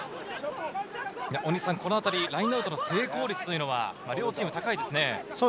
このあたり、ラインアウトの成功率は両チーム高いですね。